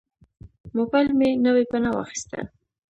موبایل مې نوې بڼه واخیسته.